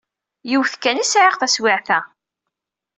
Yiwet kan i sɛiɣ taswiɛt-a.